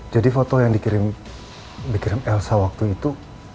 jadi foto yang dikirim elsa waktu itu